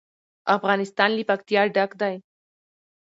افغانستان له پکتیا ډک دی.